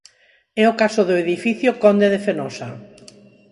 É o caso do edificio Conde de Fenosa.